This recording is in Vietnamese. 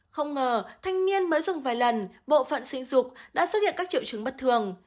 không ngờ thanh niên mới dùng vài lần bộ phận sinh dục đã xuất hiện các triệu chứng bất thường